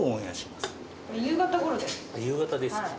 夕方ですか。